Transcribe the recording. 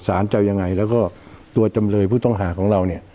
จะเอายังไงแล้วก็ตัวจำเลยผู้ต้องหาของเราเนี่ย